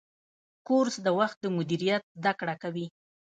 کورس د وخت مدیریت زده کوي.